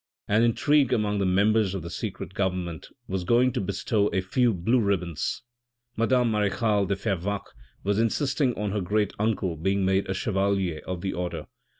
An intrigue among the members of the secret government was going to bestow a few blue ribbons ; madame marechale de Fervaques was insisting on her great uncle being made a chevalier of the order.